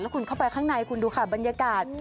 คุณเข้าไปข้างในคุณดูค่ะบรรยากาศ